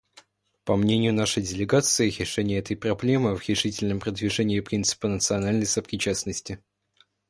По мнению нашей делегации, решение этой проблемы — в решительном продвижении принципа национальной сопричастности.